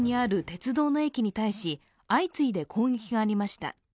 鉄道の駅に対し、相次いで攻撃がありました。